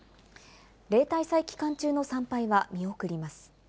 例大祭期間中の参拝は見送ります。